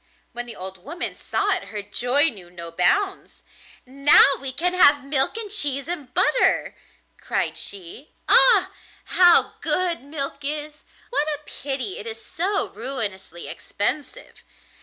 When the old woman saw it her joy knew no bounds. 'Now we can have milk and cheese and butter!' cried she. 'Ah! how good milk is! What a pity it is so ruinously expensive!